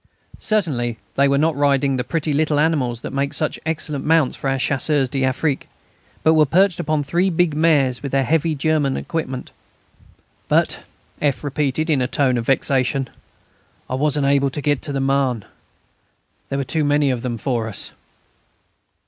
Certainly they were not riding the pretty little animals that make such excellent mounts for our Chasseurs d'Afrique, but were perched on three big mares with the heavy German equipment. "But," F. repeated in a tone of vexation, "I wasn't able to get to the Marne.... There were too many of them for us."